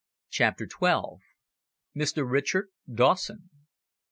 CHAPTER TWELVE. MR. RICHARD DAWSON.